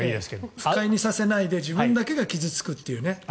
不快にさせないで自分だけが傷付くっていうね。